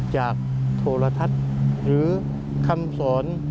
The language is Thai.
โทรทัศน์หรือคำสอน